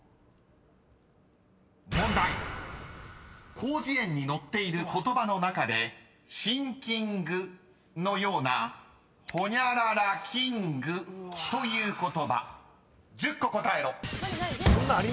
［広辞苑に載っている言葉の中で「シンキング」のような「ホニャララキング」という言葉１０個答えろ］